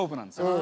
あ！